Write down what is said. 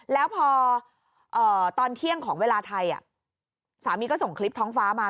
แล้วพอตอนเที่ยงของเวลาไทยสามีก็ส่งคลิปท้องฟ้ามา